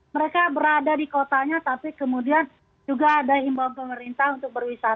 mereka berada di kotanya tapi kemudian juga ada imbau pemerintah untuk berwisata